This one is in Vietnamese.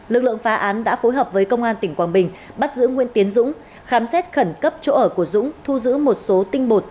lực lượng phá án đã phối hợp với công an tỉnh quảng bình bắt giữ nguyễn tiến dũng khám xét khẩn cấp chỗ ở của dũng thu giữ một số tinh bột